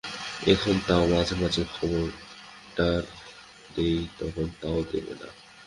এখন তা-ও মাঝে-মাঝে খাবারটাবার দেয়-তখন তা-ও দেবে না।